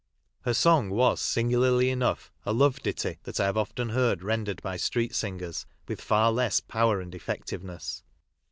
Her song was, singularly enough, a love ditty that I have often heard rendered by street singers, with far less power and effectiveness.